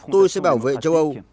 tôi sẽ bảo vệ châu âu